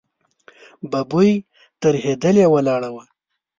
ببۍ ترهېدلې ولاړه وه.